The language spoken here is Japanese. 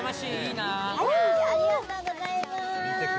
ありがとうございます！